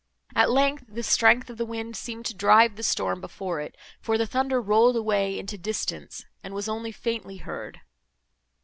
At length, the strength of the wind seemed to drive the storm before it, for the thunder rolled away into distance, and was only faintly heard.